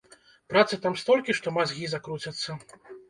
Працы там столькі, што мазгі закруцяцца.